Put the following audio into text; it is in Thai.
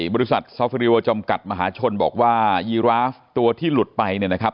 บริษัทซอฟฟิริโอจำกัดมหาชนบอกว่ายีราฟตัวที่หลุดไปเนี่ยนะครับ